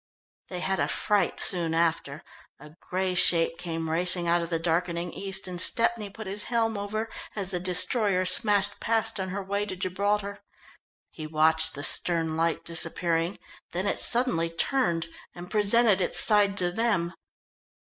They had a fright soon after. A grey shape came racing out of the darkening east, and Stepney put his helm over as the destroyer smashed past on her way to Gibraltar. He watched the stern light disappearing, then it suddenly turned and presented its side to them.